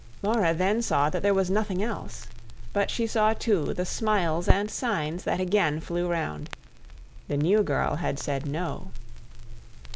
Laura then saw that there was nothing else. But she saw, too, the smiles and signs that again flew round: the new girl had said no.